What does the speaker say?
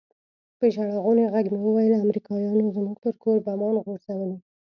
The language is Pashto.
په ژړغوني ږغ مې وويل امريکايانو زموږ پر کور بمان غورځولي.